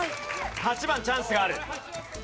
８番チャンスがある。